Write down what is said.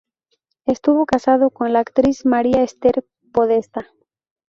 Estuvo casado con la actriz María Esther Podestá.